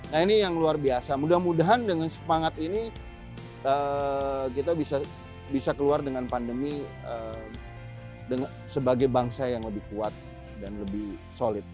nah ini yang luar biasa mudah mudahan dengan semangat ini kita bisa keluar dengan pandemi sebagai bangsa yang lebih kuat dan lebih solid